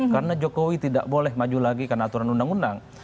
karena jokowi tidak boleh maju lagi karena aturan undang undang